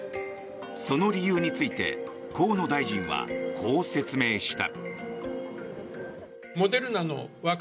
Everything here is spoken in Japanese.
その理由について河野大臣はこう説明した。